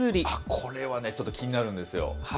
これはね、ちょっと気になるんですよ。